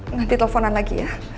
nanti telponan lagi ya